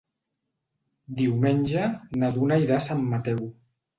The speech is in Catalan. Diumenge na Duna irà a Sant Mateu.